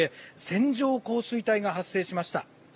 線状降水帯が発生しました。